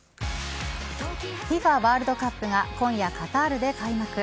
ワールドカップが今夜カタールで開幕。